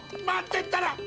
待ってったら！